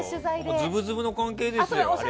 ずぶずぶの関係ですよ。